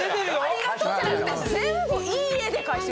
「ありがとう」じゃなくて。